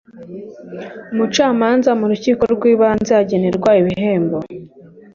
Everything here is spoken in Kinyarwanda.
umucamanza mu rukiko rw ibanze agenerwa ibihembo.